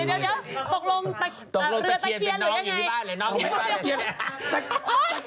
เดี๋ยวตกลงเรือตะเคียนอยู่ที่บ้านหรือยังไง